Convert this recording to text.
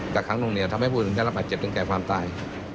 กระครั้งโครงทำให้ผู้ทุกจะรับหักเจ็บจนแก่ความตาย